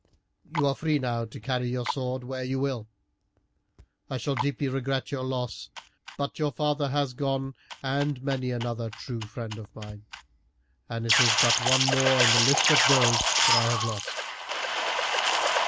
You are free now to carry your sword where you will. I shall deeply regret your loss, but your father has gone and many another true friend of mine, and it is but one more in the list of those I have lost.